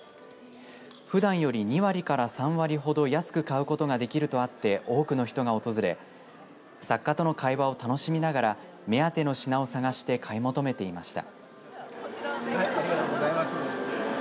ふだんより２割から３割ほど安く買うことができるとあって多くの人が訪れ作家との会話を楽しみながら目当ての品を探して買い求めていました。